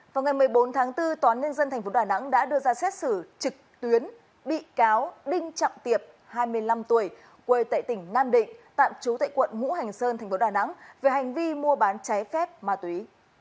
vào ngày một mươi bốn tháng bốn toán nhân dân tp đà nẵng đã đưa ra xét xử trực tuyến bị cáo đinh trọng tiệp hai mươi năm tuổi quê tại tỉnh nam định tạm trú tại quận ngũ hành sơn thành phố đà nẵng về hành vi mua bán trái phép ma túy